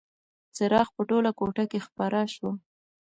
څراغ په ټوله کوټه کې خپره شوه.